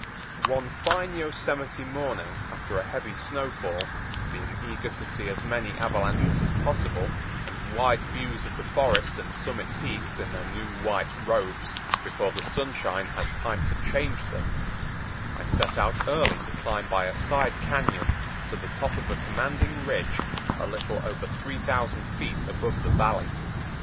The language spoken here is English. One fine Yosemite morning after a heavy snowfall, being eager to see as many avalanches as possible and wide views of the forest and summit peaks in their new white robes before the sunshine had time to change them, I set out early to climb by a side cañon to the top of a commanding ridge a little over three thousand feet above the Valley.